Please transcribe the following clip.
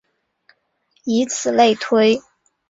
以此类推。